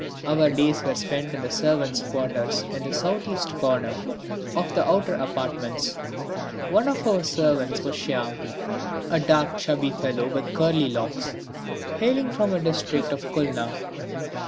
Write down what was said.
Our days were spent in the servants' quarters in the south east corner of the outer apartments. One of our servants was Shyam, a dark chubby boy with curly locks, hailing from the District of Khulna.